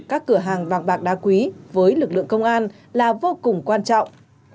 các cửa hàng vàng bạc đá quý với lực lượng công an là vô cùng quan trọng